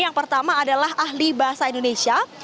yang pertama adalah ahli bahasa indonesia